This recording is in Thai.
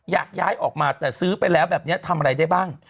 อยากย้ายออกมาแต่ซื้อไปแล้วแบบนี้ทำอะไรได้บ้าง